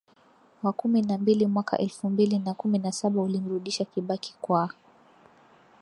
wa kumi na mbili mwaka elfu mbili na kumi na saba ulimrudisha Kibaki kwa